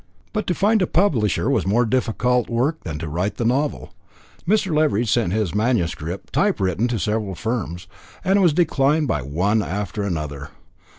But to find a publisher was a more difficult work than to write the novel. Mr. Leveridge sent his MS. type written to several firms, and it was declined by one after another.